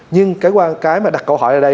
nhưng cái mà đặt câu hỏi ở đây